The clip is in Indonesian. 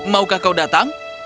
maukah kau datang